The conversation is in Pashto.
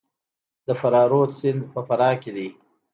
د فرا رود سیند په فراه کې دی